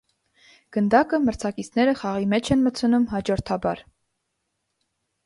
Գնդակը մրցակիցները խաղի մեջ են մտցնում հաջորդաբար։